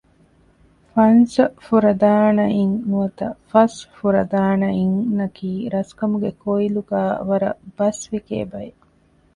‘ފަންސަފުރަދާނައިން’ ނުވަތަ ފަސް ފުރަދާނައިން ނަކީ ރަސްކަމުގެ ކޮއިލުގައި ވަރަށް ބަސްވިކޭ ބައެއް